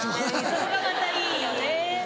そこがまたいいよね。